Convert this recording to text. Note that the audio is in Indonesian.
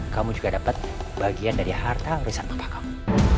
kamu juga dapat bagian dari harta urusan bapak kamu